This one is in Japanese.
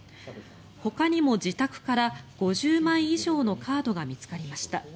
ほかにも自宅から５０枚以上のカードが見つかりました。